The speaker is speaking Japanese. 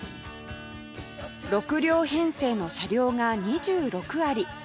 ６両編成の車両が２６あり